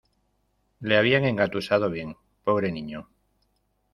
Le habían engatusado bien, pobre niño.